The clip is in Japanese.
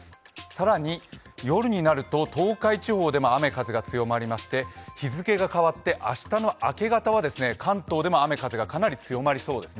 更に夜になると東海地方でも雨風が強まりまして日付が変わって明日の明け方は関東でもかなり雨風が強まりそうです。